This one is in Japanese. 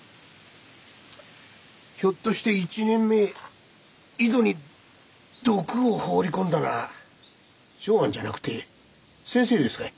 ひょっとして１年前井戸に毒を放り込んだのは松庵じゃなくて先生ですかい？